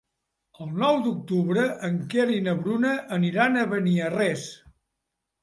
El nou d'octubre en Quer i na Bruna aniran a Beniarrés.